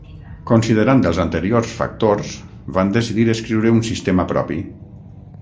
Considerant els anteriors factors, van decidir escriure un sistema propi.